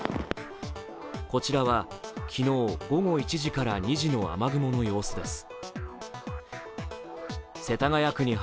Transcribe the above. こちらは昨日午後１時から２時の雨雲の様子です。